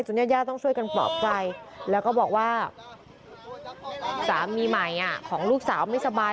ญาติย่าต้องช่วยกันปลอบใจแล้วก็บอกว่าสามีใหม่ของลูกสาวไม่สบาย